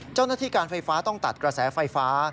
เจ้าหน้าที่การไฟฟ้าต้องตัดกระแสไฟฟ้า